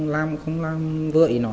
làm không làm vừa ý nó